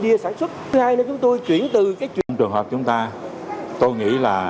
nghiệp sản xuất thứ hai là chúng tôi chuyển từ cái chuyển trường hợp chúng ta tôi nghĩ là